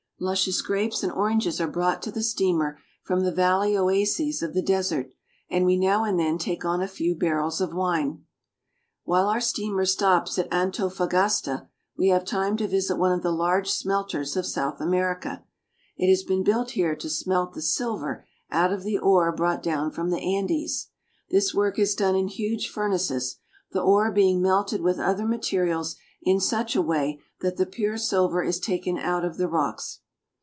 Luscious grapes and oranges are brought to the steamer from the valley oases of the desert, and we now and then take on a few barrels of wine. While our steamer stops at Antofagasta we have time to visit one of the large smelters of South America. It has been built here to smelt the silver out of the ore brought down from the Andes. This work is done in huge furnaces, the ore being melted with other materials in such a way that the pure silver is taken out of the rocks.